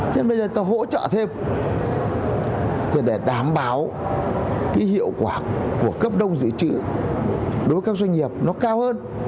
cho nên bây giờ ta hỗ trợ thêm để đảm bảo cái hiệu quả của cấp đông dự trữ đối với các doanh nghiệp nó cao hơn